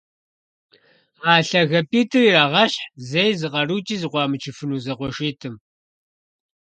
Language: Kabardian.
А лъагапIитIыр ирагъэщхь зэи зы къэрукIи зэкъуамычыфыну зэкъуэшитIым